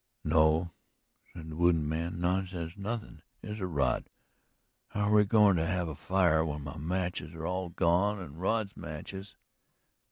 "No," said the wounded man. "Nonsense nothing, is it Rod? How're we going to have a fire when my matches are all gone and Rod's matches.